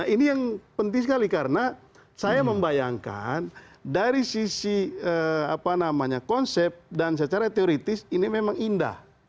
ini yang penting sekali karena saya membayangkan dari sisi konsep dan secara teoritis ini memang indah